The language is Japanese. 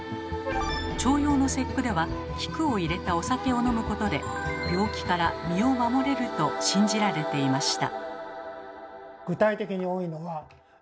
重陽の節句では菊を入れたお酒を飲むことで病気から身を守れると信じられていました。